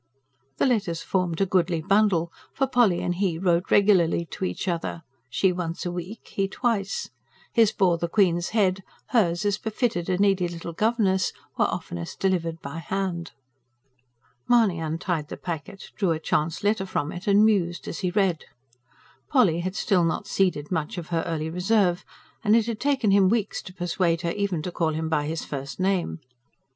The letters formed a goodly bundle; for Polly and he wrote regularly to each other, she once a week, he twice. His bore the Queen's head; hers, as befitted a needy little governess, were oftenest delivered by hand. Mahony untied the packet, drew a chance letter from it and mused as he read. Polly had still not ceded much of her early reserve and it had taken him weeks to persuade her even to call him by his first name.